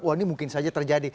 wah ini mungkin saja terjadi